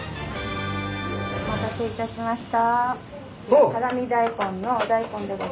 お待たせいたしました。